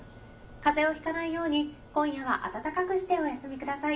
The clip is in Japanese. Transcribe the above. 風邪をひかないように今夜は温かくしてお休みください。